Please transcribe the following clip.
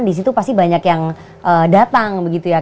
di situ pasti banyak yang datang begitu ya